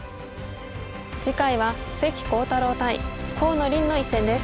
次回は関航太郎対河野臨の一戦です。